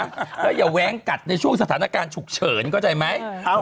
แล้วอย่าแว้งกัดในช่วงสถานการณ์ฉุกเฉินเข้าใจไหม